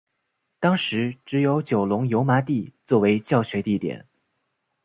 当时只有九龙油麻地作教学地点。